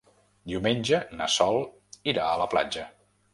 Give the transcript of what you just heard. Diumenge na Sol irà a la platja.